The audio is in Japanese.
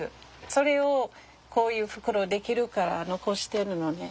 それをこういう袋出来るから残してるのね。